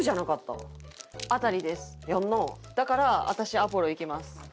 だから私アポロいきます。